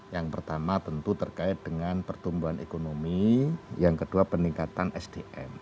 yang pertama tentu terkait dengan pertumbuhan ekonomi yang kedua peningkatan sdm